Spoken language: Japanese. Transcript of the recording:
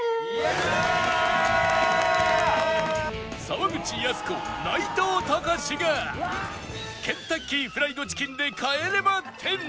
沢口靖子内藤剛志がケンタッキーフライドチキンで帰れま１０